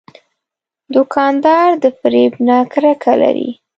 دوکاندار د فریب نه کرکه لري.